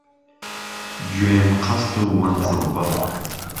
گوێ مهقهست و مهنزل بڕ